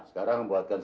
menjadi kemampuan anda